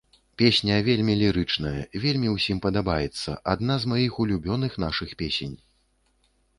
Песня вельмі лірычная, вельмі ўсім падабаецца, адна з маіх улюбёных нашых песень.